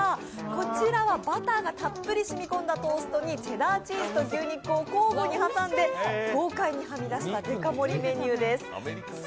こちらは、バターがたっぷりしみこんだトーストにチェダーチーズと牛肉を交互に挟んで豪快にはみ出したデカ盛りメニューです。